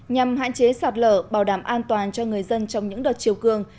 nhằm hạn chế sạt lở bảo đảm an toàn cho người dân trong những đợt chiều cường